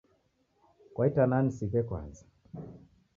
Kwa itanaa nisighe kwaza.